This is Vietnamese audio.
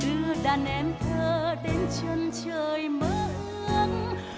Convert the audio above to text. đưa đàn em thơ đến chân trời mơ ước